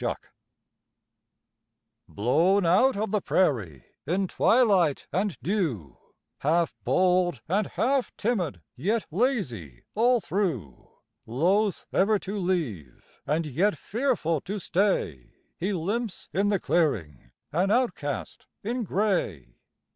COYOTE Blown out of the prairie in twilight and dew, Half bold and half timid, yet lazy all through; Loath ever to leave, and yet fearful to stay, He limps in the clearing, an outcast in gray.